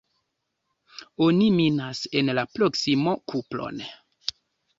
Oni minas en la proksimo kupron.